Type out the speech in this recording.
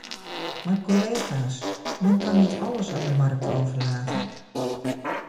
Maar collega's, men kan niet alles aan de markt overlaten.